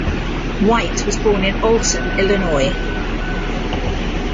White was born in Alton, Illinois.